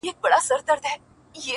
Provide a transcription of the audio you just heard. خان به د لویو دښمنیو فیصلې کولې،